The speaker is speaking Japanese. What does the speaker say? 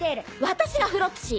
私がフロプシー。